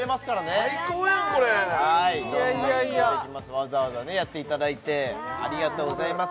わざわざねやっていただいてありがとうございます